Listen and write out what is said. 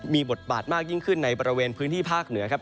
มีบทบาทมากยิ่งขึ้นในบริเวณพื้นที่ภาคเหนือครับ